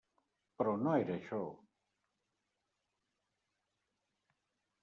Però no era això.